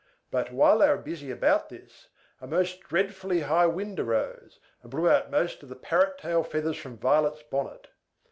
But, while they were busy about this, a most dreadfully high wind rose, and blew out most of the parrot tail feathers from Violet's bonnet.